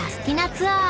ツアー］